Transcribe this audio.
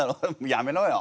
やめろよ。